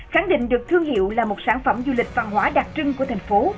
khẳng định được thương hiệu là một sản phẩm du lịch văn hóa đặc trưng của thành phố